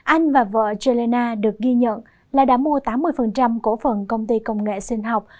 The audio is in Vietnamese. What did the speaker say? anh và vợ gelena được ghi nhận là đã mua tám mươi cổ phần công ty công nghệ sinh học